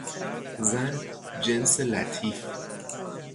زن، جنس لطیف